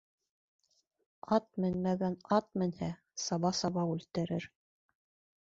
Ат менмәгән ат менһә, саба-саба үлтерер;